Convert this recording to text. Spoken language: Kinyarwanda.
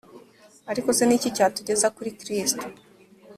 Ariko se , ni iki cyatugeza kuri Kristo?